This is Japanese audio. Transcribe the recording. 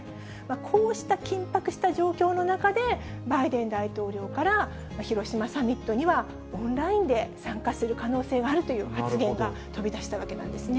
こうした緊迫した状況の中で、バイデン大統領から広島サミットにはオンラインで参加する可能性があるという発言が飛び出したわけなんですね。